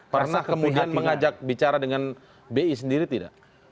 pernah kemudian mengajak bicara dengan bi sendiri tidak